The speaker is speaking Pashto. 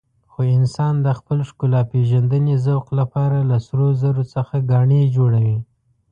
خو انسان د خپل ښکلاپېژندنې ذوق لپاره له سرو زرو څخه ګاڼې جوړوي.